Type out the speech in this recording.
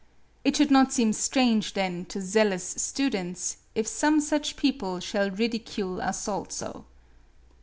It should not seem strange then to zealous students, if some such people shall ridicule us also.